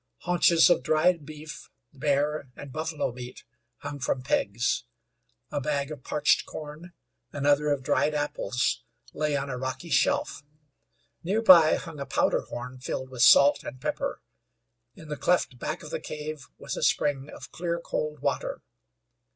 Haunches of dried beef, bear and buffalo meat hung from pegs; a bag of parched corn, another of dried apples lay on a rocky shelf. Nearby hung a powder horn filled with salt and pepper. In the cleft back of the cave was a spring of clear, cold water.